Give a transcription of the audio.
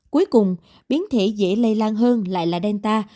cuối cùng biến thể dễ lây lan hơn lại là delta